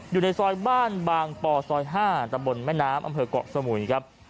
อยู่ในซอยบ้านบางปอซอย๕ตะบนแม่น้ำอำเภอกเกาะสมุยครับ